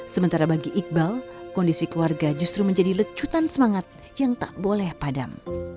sementara bagi iqbal kondisi keluarga justru menjadi lecutan semangat yang tak boleh padam